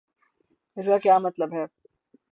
اس کا کیا مطلب ہے؟